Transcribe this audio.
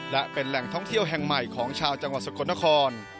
และเป็นแหล่งท่องเที่ยวแห่งใหม่ของชาวจังหวัดสกลนคร